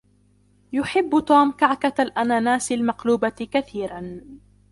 يحب توم كعكة الأناناس المقلوبة كثيرا.